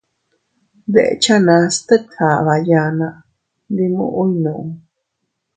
Deʼechanas tet aʼaba yanna, ndi muʼu ekku.